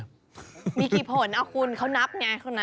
มีกี่ผลเอาคุณเขานับไง